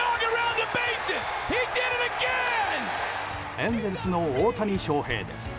エンゼルスの大谷翔平です。